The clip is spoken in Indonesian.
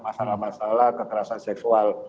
masalah masalah kekerasan seksual